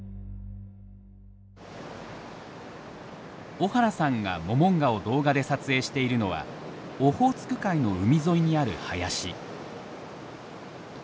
小原さんがモモンガを動画で撮影しているのはオホーツク海の海沿いにある林。